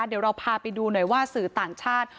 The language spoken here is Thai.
เดี๋ยวเราพาไปดูหน่อยว่าสื่อต่างชาติ